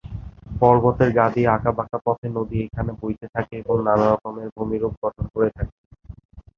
পর্বতের গা দিয়ে আঁকা বাঁকা পথে নদী এখানে বইতে থাকে এবং নানা রকমের ভূমিরূপ গঠন করে থাকে।